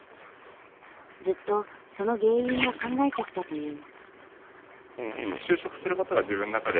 ずっとその原因を考えてきたという。